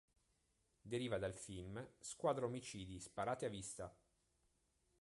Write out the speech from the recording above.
Deriva dal film "Squadra omicidi, sparate a vista!